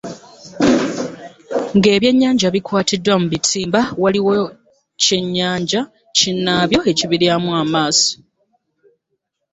Ngebyennyanja bikwatiddwa mu bitimba, waliwo kyennyanja kinnaabyo ekibiryamu amaaso.